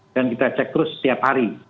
dan kita cek terus setiap hari